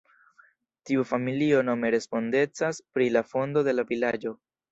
Tiu familio nome respondecas pri la fondo de la vilaĝo.